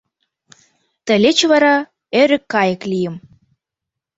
Тылеч вара «эрык кайык» лийым.